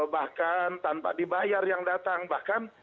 bahkan tanpa dibayar yang datang bahkan